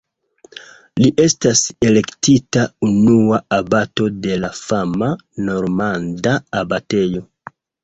Li estas elektita unua abato de la fama normanda abatejo.